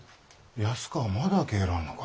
安子はまだ帰らんのか。